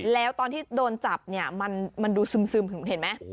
แล้วตอนที่โดนจับเนี่ยมันดูซึมเห็นไหม